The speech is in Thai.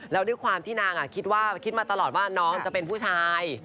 แล้วด้วยความที่นางคิดว่าคิดมาตลอดว่าน้องจะเป็นผู้ชาย